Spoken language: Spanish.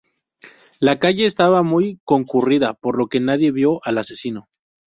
La calle estaba muy concurrida, por lo que nadie vio al asesino.